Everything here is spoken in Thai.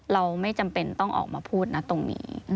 เราไม่จำเป็นต้องออกมาพูดนะตรงนี้